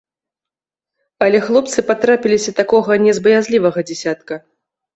Але хлопцы патрапіліся такога не з баязлівага дзясятка.